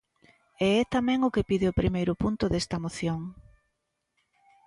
E é tamén o que pide o primeiro punto desta moción.